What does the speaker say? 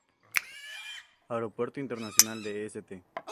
Aeropuerto Internacional de St.